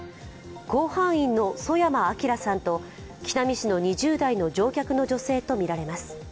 甲板員の曽山聖さんと北見市の２０代の乗客の女性とみられます。